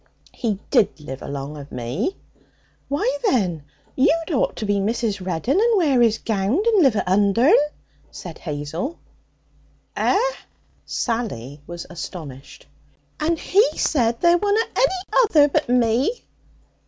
'He did live along of me.' 'Why, then, you'd ought to be Mrs. Reddin, and wear this gownd, and live at Undern,' said Hazel. 'Eh?' Sally was astonished. 'And he said there wunna any other but me.'